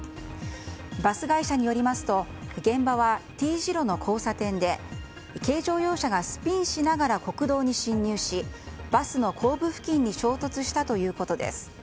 バス会社によりますと現場はＴ字路の交差点で軽乗用車がスピンしながら国道に進入しバスの後部付近に衝突したということです。